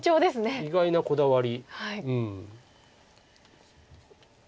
うん意外なこだわり。